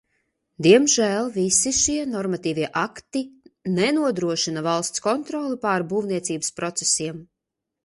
Diemžēl visi šie normatīvie akti nenodrošina valsts kontroli pār būvniecības procesiem.